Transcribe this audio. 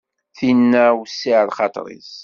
Tinna wessiε lxaṭer-is.